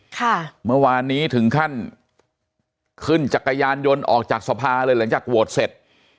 ค่ะเมื่อวานนี้ถึงขั้นขึ้นจักรยานยนต์ออกจากสภาเลยหลังจากโหวตเสร็จ